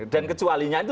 dan kecualinya itu